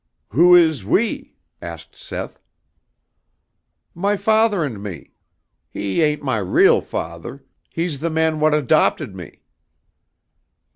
"Who is we?" asked Seth. "My father and me. He ain't my real father. He's the man what adopted me."